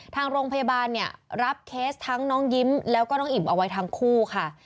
ทางโรงพยาบาลเนี่ยรับเคสทั้งน้องยิ้มแล้วก็น้องอิ่มเอาไว้ทั้งคู่ค่ะ